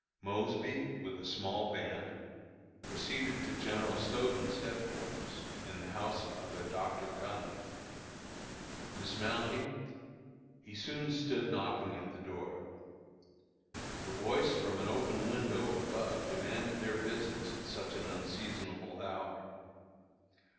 Mosby, with a small band, proceeded to General Stoughton's headquarters, in the house of a Dr. Gunnel. Dismounting, he soon stood knocking at the door. A voice from an open window above demanded their business at such an unseasonable hour.